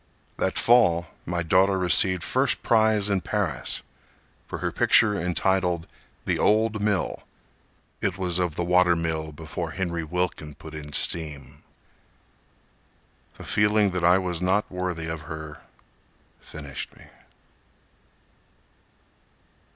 That fall my daughter received first prize in Paris For her picture, entitled, "The Old Mill"— (It was of the water mill before Henry Wilkin put in steam.) The feeling that I was not worthy of her finished me.